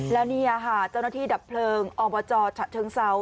และนี่เจ้าหน้าที่ดับเพลิงออกมาจอฉะเชิงเซา